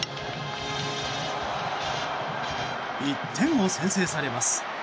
１点を先制されます。